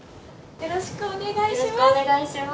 よろしくお願いします。